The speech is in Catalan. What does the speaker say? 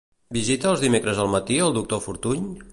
Visita els dimecres al matí el doctor Fortuny?